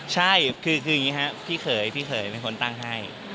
ใช่คืออย่างนี้ครับพี่เขยพี่เขยเป็นคนตั้งให้